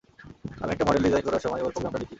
আমি একটা model design করার সময় ওর প্রোগ্রামটা লিখি।